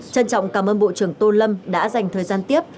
trân trọng cảm ơn bộ trưởng tô lâm đã dành thời gian tiếp